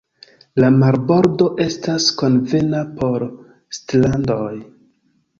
La marbordo estas konvena por strandoj.